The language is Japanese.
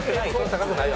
高くない。